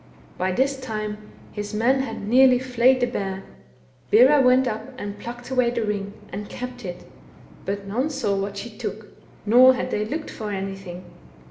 By this time his men had nearly flayed the bear ; Bera went up and plucked away the ring, and kept it, but none saw what she took, nor had they looked for anything.